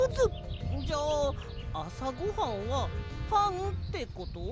じゃああさごはんはパンってこと？